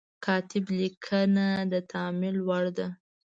کاتب لیکنه د تأمل وړ ده.